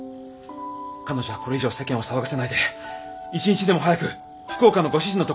彼女はこれ以上世間を騒がせないで一日でも早く福岡のご主人のところへ帰るべきだよ。